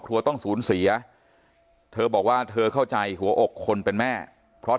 ต้องสูญเสียเธอบอกว่าเธอเข้าใจหัวอกคนเป็นแม่เพราะ